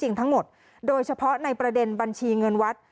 ทั้งหมดโดยเฉพาะในประเด็นบัญชีเงินวัด